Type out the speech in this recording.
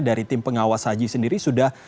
dari tim pengawas haji sendiri sudah